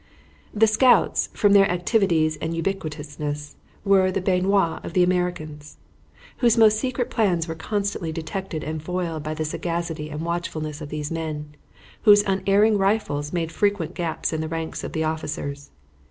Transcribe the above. The scouts, from their activity and ubiquitousness, were the bêtes noirs of the Americans, whose most secret plans were constantly detected and foiled by the sagacity and watchfulness of these men, whose unerring rifles made frequent gaps in the ranks of the officers.